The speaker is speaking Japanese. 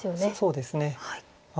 そうですね。